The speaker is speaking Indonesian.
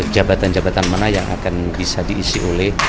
jabatan jabatan mana yang akan bisa diisi oleh